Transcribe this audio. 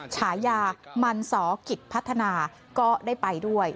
ฉายามันสอกิจพัฒนาก็ได้ไปด้วย